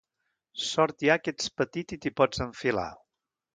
Sort hi ha que ets petit i t'hi pots enfilar.